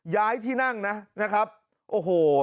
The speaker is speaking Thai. ย้ายที่นั่งนะครับโอ้โห